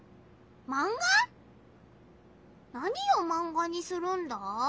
何をマンガにするんだ？